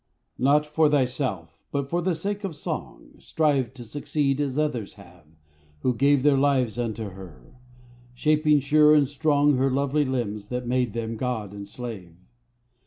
Not for thyself, but for the sake of Song, Strive to succeed as others have, who gave Their lives unto her; shaping sure and strong Her lovely limbs that made them god and slave.